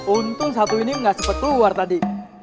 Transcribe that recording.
untung satu ini gak sepetuwar tadi